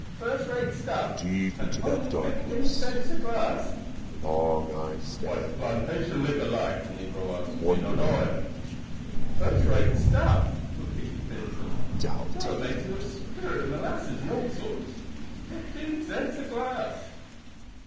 "First rate stuff; and only fifteen cents a glass." "What plantation liquor like?" the negro asked. "Me not know him." "First rate stuff," Vincent repeated. "Mother makes it of spirit and molasses and all sorts. Fifteen cents a glass."